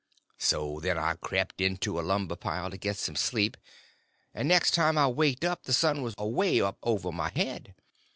So then I crept into a lumber pile to get some sleep; and next time I waked up the sun was away up over my head!